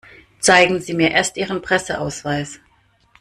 Zeigen Sie mir erst Ihren Presseausweis.